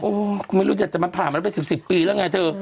โอ้โฮไม่รู้จะจะมาผ่านมาได้ไป๑๐ปีแล้วไงเธอ